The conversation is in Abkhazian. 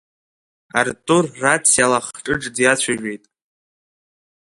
Артур рациала Хҿыҿ диацәажәеит.